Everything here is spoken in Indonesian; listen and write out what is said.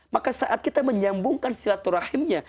maka saat kita menyambungkan silaturahimnya